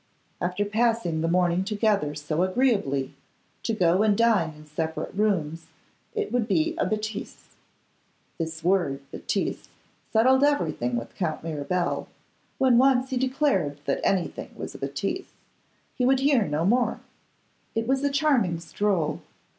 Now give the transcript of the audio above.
After passing the morning together so agreeably, to go and dine in separate rooms, it would be a bêtise. This word bêtise settled everything with Count Mirabel; when once he declared that anything was a bêtise, he would hear no more. It was a charming stroll.